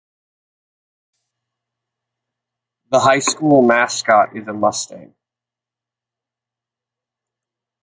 The high school mascot is the Mustang.